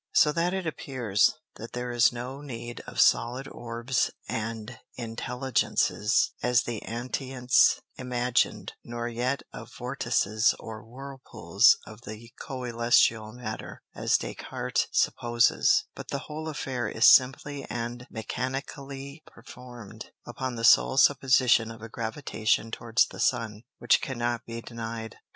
So that it appears, that there is no need of solid Orbs and Intelligences, as the Antients imagin'd, nor yet of Vortices or Whirlpools of the Cœlestial Matter, as Des Cartes supposes; but the whole Affair is simply and mechanically performed, upon the sole Supposition of a Gravitation towards the Sun; which cannot be denied.